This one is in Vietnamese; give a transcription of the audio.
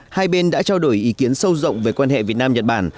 hai bên đã trao đổi ý kiến sâu rộng về quan hệ việt nam nhật bản